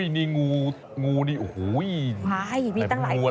นี่คืองูมีตั้งหลายนิดนึง